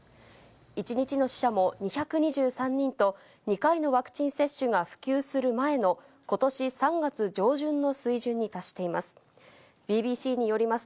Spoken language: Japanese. １日の死者も２２３人と、２回のワクチン接種が普及する前の、ことし３月上旬の水準に達しています。